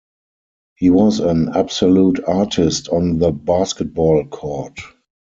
He was an absolute artist on the basketball court.